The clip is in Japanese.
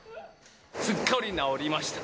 すっかり治りました。